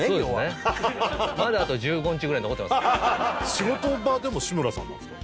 仕事場でも志村さんなんですか？